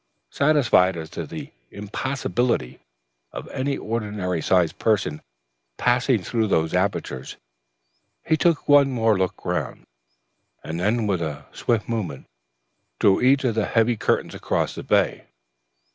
Satisfied as to the impossibility of any ordinary sized person passing through those apertures, he took one more look round, and then with a swift movement drew each of the heavy curtains across the bay.